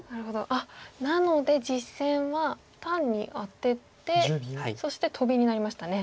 あっなので実戦は単にアテてそしてトビになりましたね。